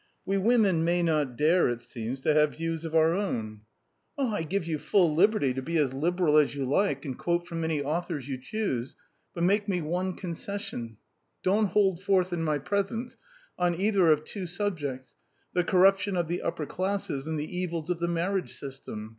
"We women may not dare, it seems, to have views of our own." "I give you full liberty to be as liberal as you like, and quote from any authors you choose, but make me one concession: don't hold forth in my presence on either of two subjects: the corruption of the upper classes and the evils of the marriage system.